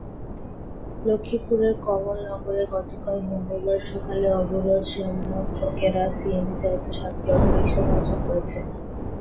লক্ষ্মীপুরের কমলনগরে গতকাল মঙ্গলবার সকালে অবরোধ-সমর্থকেরা সিএনজিচালিত সাতটি অটোরিকশা ভাঙচুর করেছে।